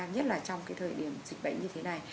nhất là trong cái thời điểm dịch bệnh như thế này